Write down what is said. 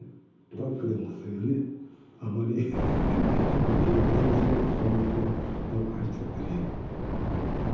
バックでも、あまり切り返しもしないでさーっとバック入っちゃったり。